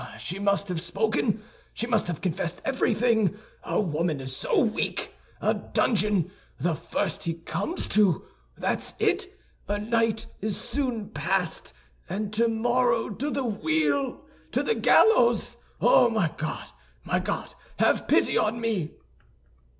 She must have spoken; she must have confessed everything—a woman is so weak! A dungeon! The first he comes to! That's it! A night is soon passed; and tomorrow to the wheel, to the gallows! Oh, my God, my God, have pity on me!"